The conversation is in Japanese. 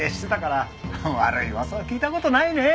悪い噂は聞いた事ないねえ。